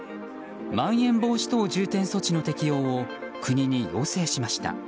まん延防止等重点措置の適用を国に要請しました。